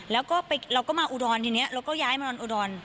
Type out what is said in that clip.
แล้วก็เราก็มาอุดรทีนี้เราก็ย้ายมานอนอุดร